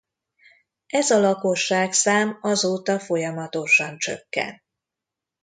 Ez a lakosságszám azóta folyamatosan csökken.